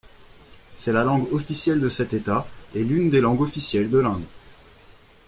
C’est la langue officielle de cet État et l’une des langues officielles de l’Inde.